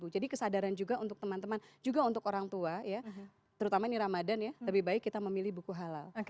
kesadaran juga untuk teman teman juga untuk orang tua ya terutama ini ramadhan ya lebih baik kita memilih buku halal